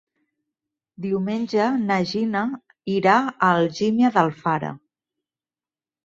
Diumenge na Gina irà a Algímia d'Alfara.